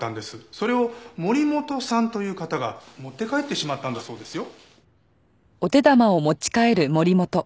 それを森本さんという方が持って帰ってしまったんだそうですよ。